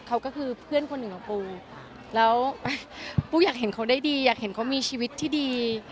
เขาก็คือเพื่อนคนหนึ่งของปูแล้วปูอยากเห็นเขาได้ดีอยากเห็นเขามีชีวิตที่ดี